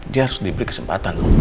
dia harus diberi kesempatan